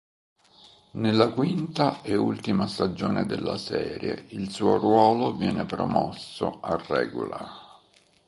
Nella quinta e ultima stagione della serie il suo ruolo viene promosso a "regular".